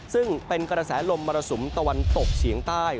ซึ่งเป็นกระแสลมมรสุมตะวันตกเฉียงใต้